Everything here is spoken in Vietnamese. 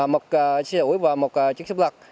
một chiếc xe ủi và một chiếc xếp lật